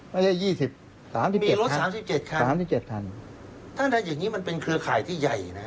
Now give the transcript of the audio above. ไม่ใช่๒๐มีรถ๓๗คันท่านท่านอย่างนี้มันเป็นเครือข่ายที่ใหญ่นะครับ